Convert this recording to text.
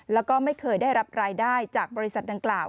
แล้วก็ไม่เคยได้รับรายได้จากบริษัทดังกล่าว